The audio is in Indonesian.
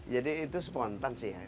jadi itu spontansi ya